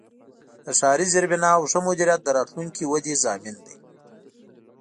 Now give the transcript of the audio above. د ښاري زیربناوو ښه مدیریت د راتلونکې ودې ضامن دی.